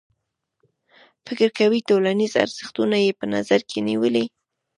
فکر کوي ټولنیز ارزښتونه یې په نظر کې نیولي.